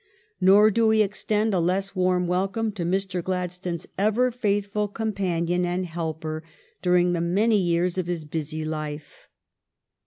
Nor do we extend a less warm welcome to Mr. Gladstone's ever faithful companion and helper during the many years of his busy life.''